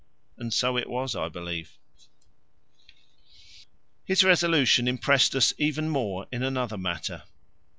And so it was, I believe. His resolution impressed us even more in another matter.